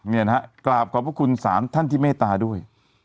นี่นะครับกล่าวขอบขอบคุณสามท่านที่เมตตาด้วย